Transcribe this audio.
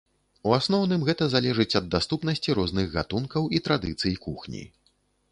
У асноўным гэта залежыць ад даступнасці розных гатункаў і традыцый кухні.